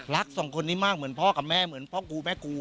สองคนนี้มากเหมือนพ่อกับแม่เหมือนพ่อกูแม่กู